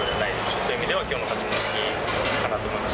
そういう意味では、きょうの勝ちも大きいかなと思います。